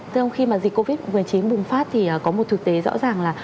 thưa ông khi mà dịch covid một mươi chín bùng phát thì có một thực tế rõ ràng là